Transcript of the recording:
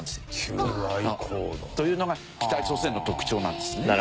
求愛行動。というのが北朝鮮の特徴なんですね。